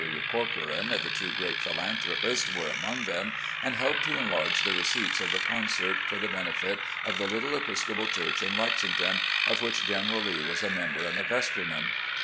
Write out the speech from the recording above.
W. Corcoran, the two great philanthropists, were among them and helped to enlarge the receipts of the concert for the benefit of the little Episcopal church in Lexington, of which General Lee was a member and a vestryman.